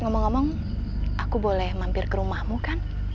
ngomong ngomong aku boleh mampir ke rumahmu kan